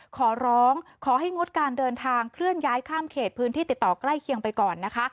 ขอร้องขอให้งดการเดินทางเคลื่อนย้ายข้ามเขตพื้นที่ติดต่อใกล้เคียงไปก่อนนะคะ